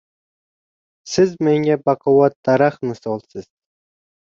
Siz menga baquvvat daraxt misolsiz.